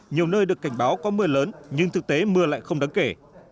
nhiều nơi được cảnh báo có mưa lớn nhưng thực tế mưa lại không đáng kể